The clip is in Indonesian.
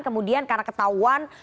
kemudian karena ketahuan